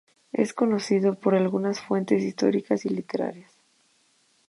Es conocido por algunas fuentes históricas y literarias.